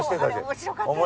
面白かった。